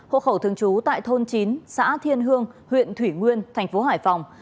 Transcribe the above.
hộ khẩu thường trú tại thôn chín xã thiên hương huyện thủy nguyên tp hải phòng